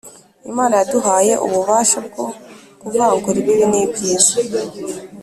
Imana yaduhaye ububasha bwo kuvangura ibibi n’ ibyiza